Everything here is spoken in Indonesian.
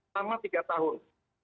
selama tiga tahun